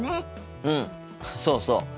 うんそうそう。